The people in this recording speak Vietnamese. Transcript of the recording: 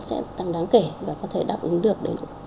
sẽ tăng đáng kể và có thể đáp ứng được